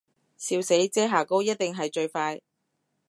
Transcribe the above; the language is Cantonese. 笑死，遮瑕膏一定係最快